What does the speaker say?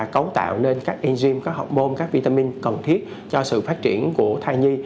cấu tạo nên các enzyme các hormone các vitamin cần thiết cho sự phát triển của thai nghi